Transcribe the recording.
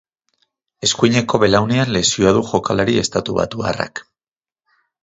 Eskuineko belaunean lesioa du jokalari estatubatuarrak.